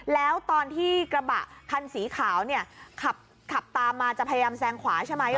แล้วตอนที่กระบะคันสีขาวเนี่ยขับตามมาจะพยายามแซงขวาใช่ไหม